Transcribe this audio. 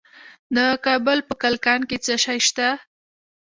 د کابل په کلکان کې څه شی شته؟